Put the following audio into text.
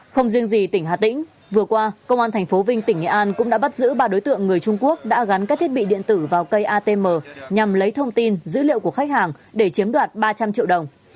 không riêng gì tỉnh hà tĩnh vừa qua công an tp vinh tỉnh nghệ an cũng đã bắt giữ ba đối tượng người trung quốc đã gắn các thiết bị điện tử vào cây atm nhằm lấy thông tin dữ liệu của khách hàng để chiếm đoạt ba trăm linh triệu đồng